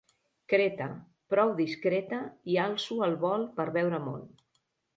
Creta, prou discreta i alço el vol per veure món!